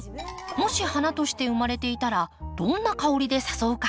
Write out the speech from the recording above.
もし花として生まれていたらどんな香りで誘うか。